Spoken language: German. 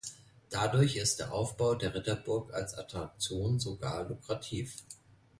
Dadurch ist der Aufbau der Ritterburg als Attraktion sogar lukrativ.